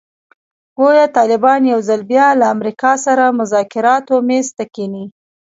ګویا طالبان یو ځل بیا له امریکا سره مذاکراتو میز ته کښېني.